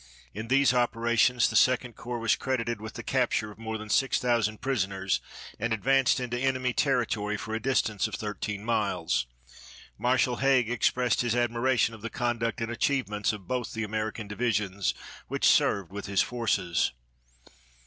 In these operations the Second Corps was credited with the capture of more than 6,000 prisoners, and advanced into enemy territory for a distance of thirteen miles. Marshal Haig expressed his admiration of the conduct and achievements of both the American divisions which served with his forces.